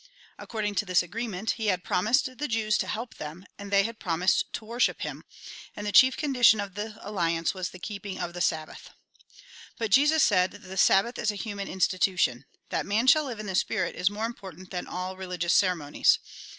According to this agreement, he had promised the Jews to help them, and they had promised to worship him ; and the chief condition of the alliance was the keeping of the Sabbath. But Jesus said :" The Sabbath is a human in stitution. That man shall live in the spirit, is more important than all reUgious ceremonies.